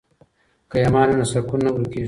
که ایمان وي نو سکون نه ورکیږي.